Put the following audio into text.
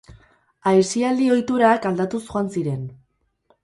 Aisialdi ohiturak aldatuz joan ziren.